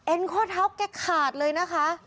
เอ็นโคทัพแก็กขาดเลยนะคะ